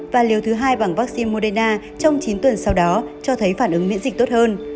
và liều thứ hai bằng vaccine moderna trong chín tuần sau đó cho thấy phản ứng miễn dịch tốt hơn